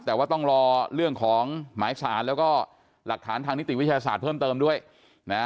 แต่ว่าต้องรอเรื่องของหมายสารแล้วก็หลักฐานทางนิติวิทยาศาสตร์เพิ่มเติมด้วยนะ